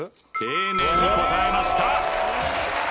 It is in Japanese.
丁寧に答えました。